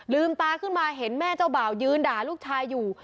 ตาขึ้นมาเห็นแม่เจ้าบ่าวยืนด่าลูกชายอยู่